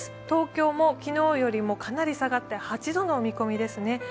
東京も昨日よりもかなり下がって８度の見込みですね。